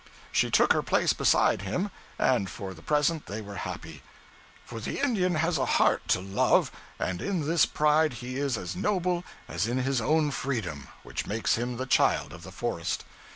She took her place beside him, and for the present they were happy; for the Indian has a heart to love, and in this pride he is as noble as in his own freedom, which makes him the child of the forest.